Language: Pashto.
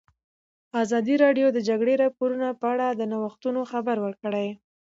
ازادي راډیو د د جګړې راپورونه په اړه د نوښتونو خبر ورکړی.